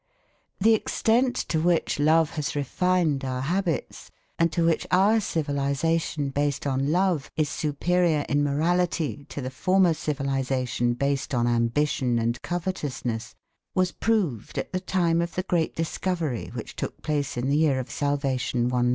The extent to which love has refined our habits, and to which our civilisation based on love is superior in morality to the former civilisation based on ambition and covetousness, was proved at the time of the great discovery which took place in the Year of Salvation 194.